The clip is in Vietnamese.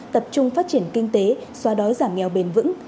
tập trung phát triển kinh tế xóa đói giảm nghèo bền vững